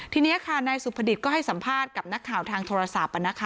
ทีนี้ค่ะนายสุภดิษฐ์ก็ให้สัมภาษณ์กับนักข่าวทางโทรศัพท์